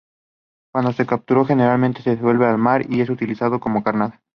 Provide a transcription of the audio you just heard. Cuando es capturado generalmente se devuelve al mar o es utilizado como carnada.